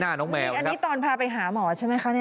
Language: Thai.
อันนี้ตอนพาไปหาหมอใช่ไหมคะเนี่ย